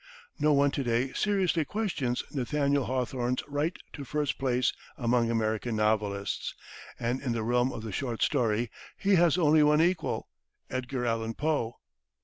No one to day seriously questions Nathaniel Hawthorne's right to first place among American novelists, and in the realm of the short story he has only one equal, Edgar Allan Poe.